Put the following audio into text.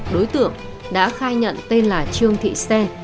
đối tượng đã khai nhận tên là trương thị xe